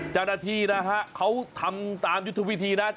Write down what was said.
เจ้าหน้าที่นะฮะเขาทำตามยุทธวิธีนะ